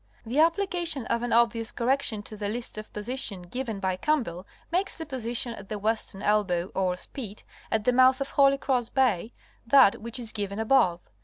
The application of an obvious correction* to the list of positions given by Campbell makes the position at the western elbow or spit, at the mouth of Holy Cross Bay, that which is given above.